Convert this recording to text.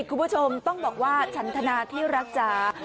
คุณผู้ชมต้องบอกว่าฉันทนาที่รักจ๋า